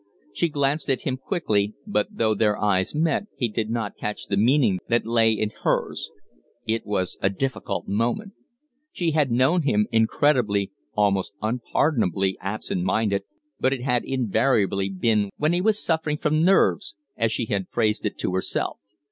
She glanced at him quickly, but though their eyes met he did not catch the meaning that lay in hers. It was a difficult moment. She had known him incredibly, almost unpardonably, absent minded, but it had invariably been when he was "suffering from nerves," as she phrased it to herself.